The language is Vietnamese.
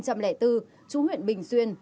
chú huyện bình xuyên